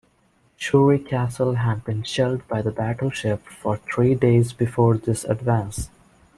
Shuri Castle had been shelled by the battleship for three days before this advance.